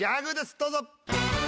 どうぞ。